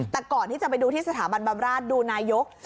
แต่ก่อนที่จะไปดูที่สถาบันบำราชดูนายก